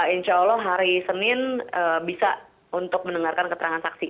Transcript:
insya allah hari senin bisa untuk mendengarkan keterangan saksi